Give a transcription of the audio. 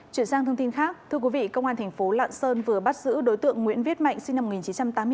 chuyển sang thông tin khác thưa quý vị công an thành phố lạng sơn vừa bắt giữ đối tượng nguyễn viết mạnh sinh năm một nghìn chín trăm tám mươi chín